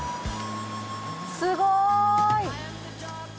すごい！